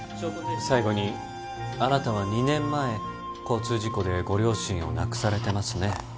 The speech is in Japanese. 最後にあなたは２年前交通事故でご両親を亡くされてますね？